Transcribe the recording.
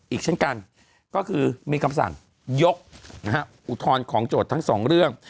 อีกเช่นกันก็คือมีคำสั่งยกอุทธรณ์ของโจทย์ทั้งสองเรื่อง